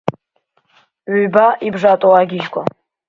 Ҩба ибжатоу агьежьқәа!